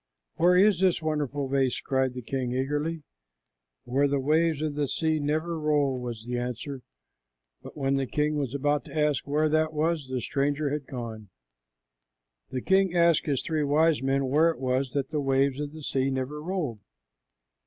"Where is the wonderful vase?" cried the king eagerly. "Where the waves of the sea never roll," was the answer, but when the king was about to ask where that was, the stranger had gone. The king asked his three wise men where it was that the waves of the sea never rolled.